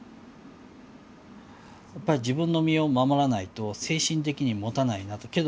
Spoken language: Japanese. やっぱり自分の身を守らないと精神的にもたないなと。